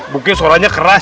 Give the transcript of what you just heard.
mungkin suaranya keras